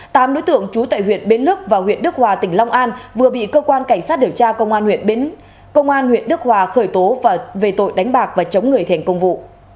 tám đối tượng trú tại huyện bến lức và huyện đức hòa tỉnh long an vừa bị cơ quan cảnh sát điều tra công an huyện đức hòa khởi tố về tội đánh bạc và chống người thiền công vụ